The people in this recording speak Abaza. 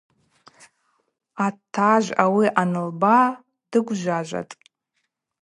Атажв ауи анылба дыгвжважватӏ.